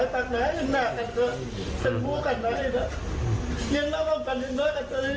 ยังละกันยังน้อยน้อยกันยังเจอนี้ด้วย